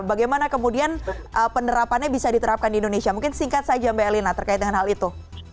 bagaimana kemudian penerapannya bisa diterapkan di indonesia mungkin singkat saja mbak elina terkait dengan hal itu